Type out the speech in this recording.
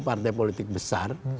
partai politik besar